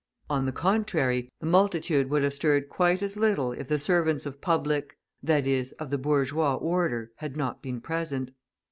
On the contrary, the multitude would have stirred quite as little if the servants of public (i.e., of the bourgeois) order had not been present.